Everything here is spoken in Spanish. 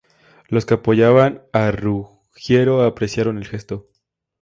Los que apoyaban a Ruggiero apreciaron el gesto.